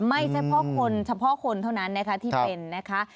ไม่ใช่เฉพาะคนเท่านั้นที่เป็นนะคะ